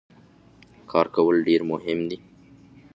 کار کول ډیر مهم دي.